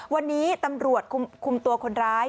วันนี้ตำรวจคุมตัวคนร้าย